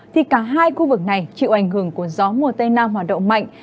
thì cả hai khu vực này chịu ảnh hưởng của gió mùa tây nam hoạt động mạnh